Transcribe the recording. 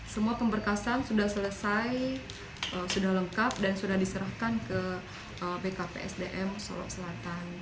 semua pemberkasan sudah selesai sudah lengkap dan sudah diserahkan ke bkpsdm solok selatan